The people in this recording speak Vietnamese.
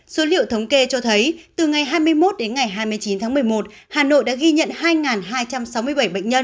số liệu thống kê cho thấy từ ngày hai mươi một đến ngày hai mươi chín tháng một mươi một hà nội đã ghi nhận hai hai trăm sáu mươi bảy bệnh nhân